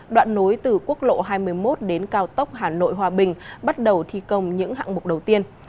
đoạn nối từ quốc lộ hai mươi một đến cao tốc hà nội hòa bình bắt đầu thi công những hạng mục đầu tiên